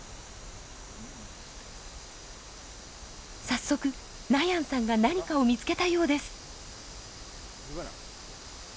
早速ナヤンさんが何かを見つけたようです。